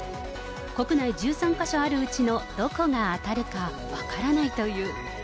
国内１３か所あるうちのどこが当たるか分からないという。